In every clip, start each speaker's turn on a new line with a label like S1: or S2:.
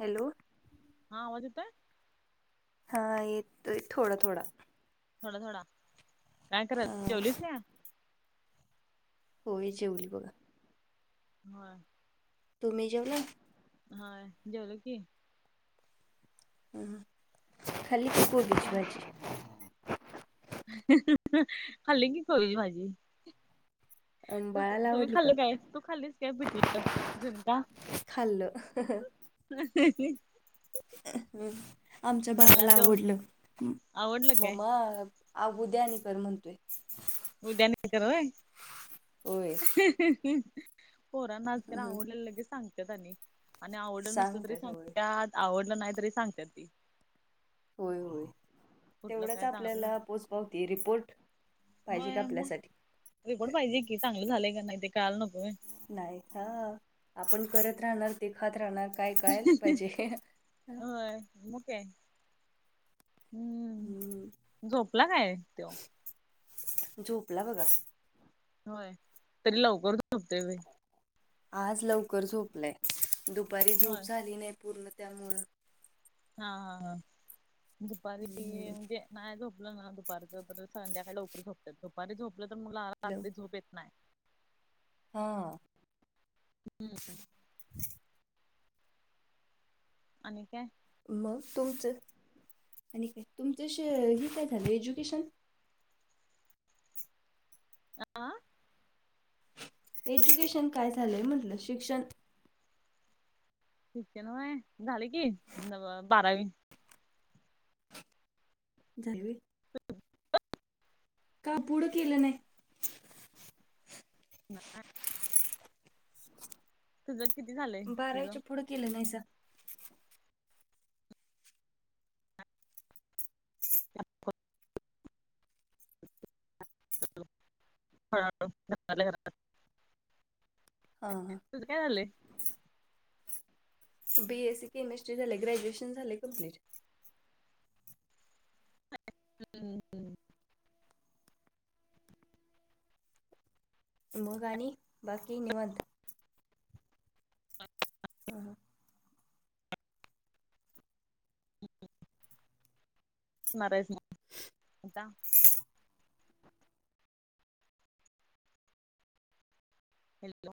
S1: Hello.
S2: हा आवाज येतोय.
S1: हा येतोय थोडा थोडा.
S2: थोडा थोडा काय करा
S1: हा
S2: जेवलीस काय
S1: होय जेवली बघा.
S2: मग.
S1: तुम्ही जेवला.
S2: हा जेवलो की.
S1: ह खाल्ली का
S2: आणि
S1: कोबीची भाजी.
S2: हम्म हम्म खाली की कोबीचे भाजी. तू
S1: बाळाला
S2: तुम्ही
S1: आवडली का
S2: खाल्ल काय तू खालीच काय पिठलं झुनका.
S1: खाल्लो हम हम.
S2: ह [unintelligible]
S1: हम आमच्या
S2: खाल्ला
S1: बाळाला
S2: तो
S1: आवडलं
S2: आवडलं काय
S1: मम्मा अह उद्या आणि कर म्हणतोय.
S2: उद्या आणि तर होय
S1: होय
S2: हं हं हं. पोरना तर आवडले लगेच सांगतात आणि आणि आवडलं नसल तरी
S1: सांगतात होय
S2: सांगत्यात. आवडलं नाही तरी सांगतात ती.
S1: होय होय
S2: कुठलं
S1: तेवढच
S2: काय चांगलं
S1: आपल्याला
S2: झालं
S1: पोहोच पावती रिपोर्ट पाहिजे का
S2: होय मग
S1: आपल्यासाठी.
S2: रिपोर्ट पाहिजे की चांगलं झालेय का नाही ते कायल नको होय.
S1: नाही हा आपण करत राहणार ते खात राहणार काय कळायला पाहिजे.
S2: हो मग काय. हम्म
S1: हम
S2: झोपला काय त्यो
S1: झोपला बघा.
S2: होय तरी लवकरच झोपते व
S1: आज लवकर झोपलंय दुपारी झोप
S2: होय
S1: झाली नाही पूर्ण त्यामुळं
S2: हा हा हा दुपारी
S1: हम्म
S2: म्हणजे नाही झोपलं ना दुपारीच तर संध्याकाळी उपरी झोपते दुपारी झोपलं तर मगला
S1: लव
S2: रात्री झोप येत नाही
S1: हा
S2: हम्म
S1: [inaudible]
S2: आणि काय
S1: मग तुमचं आणि काय तुमच हे काय झालं एज्युकेशन
S2: आह
S1: एज्युकेशन काय झालंय म्हटलं शिक्षण
S2: ठीिकक ना म झाले कि बारावी
S1: जायवे
S2: हो
S1: काबुड खिलणे
S2: ना तुझं किती झालं
S1: बारायच्या पुढं गलं नाही सर
S2: [inaudible] ह ह ह
S1: हां हां
S2: तुझं काय झालंय
S1: बीएससी केमिस्ट्री झाले ग्रॅज्युएशन झाले कंप्लीट
S2: हम्म हम्म
S1: मोगणी बाकी निवंत हम
S2: नरस आता हॅलो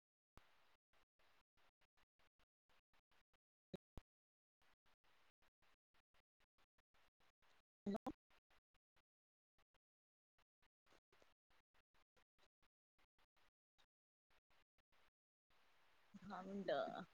S2: हॅलो हा मुड